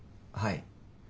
はい。